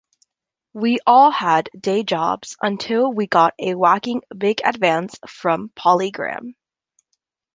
We all had day jobs until we got a whacking big advance from Polygram.